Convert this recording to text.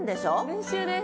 練習です。